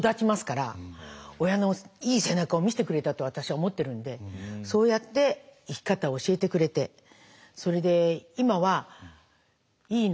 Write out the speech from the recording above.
親のいい背中を見せてくれたと私は思ってるのでそうやって生き方を教えてくれてそれで今はいい